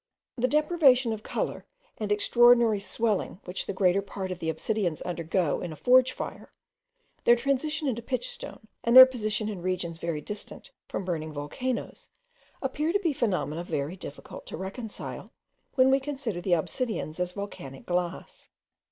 The deprivation of colour and extraordinary swelling which the greater part of the obsidians undergo in a forge fire, their transition into pitch stone, and their position in regions very distant from burning volcanoes, appear to be phenomena very difficult to reconcile, when we consider the obsidians as volcanic glass.